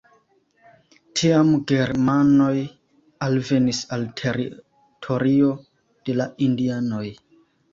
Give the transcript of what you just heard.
Tiam germanoj alvenis al teritorio de la indianoj.